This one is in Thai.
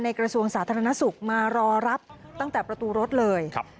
กระทรวงสาธารณสุขมารอรับตั้งแต่ประตูรถเลย